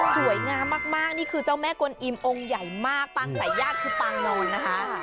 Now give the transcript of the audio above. สวยงามมากนี่คือเจ้าแม่กวนอิมองค์ใหญ่มากปางสายญาติคือปางนอนนะคะ